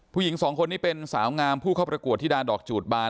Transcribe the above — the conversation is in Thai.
ผู้หญิงสองคนนี้เป็นสาวงามผู้เข้าประกวดที่ดานดอกจูดบาน